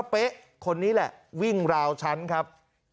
เป๊ะคนนี้แหละวิ่งราวชั้นครับ